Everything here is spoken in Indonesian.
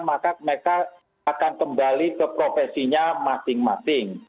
mereka kembali ke profesinya masing masing